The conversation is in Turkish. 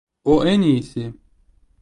O en iyisi.